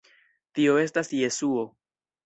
Tio estas Jesuo.